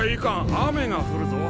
雨が降るぞ。